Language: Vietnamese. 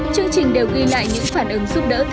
chương trình đều ghi lại những phản ứng giúp đỡ tích cực